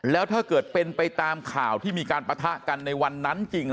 แล้วถ้าเกิดเป็นไปตามข่าวที่มีการปะทะกันในวันนั้นจริง